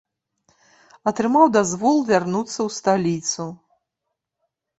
Атрымаў дазвол вярнуцца ў сталіцу.